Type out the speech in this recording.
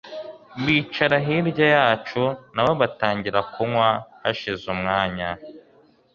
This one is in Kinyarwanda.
bicara hirya yacu nabo batangira kunywa hashize umwanya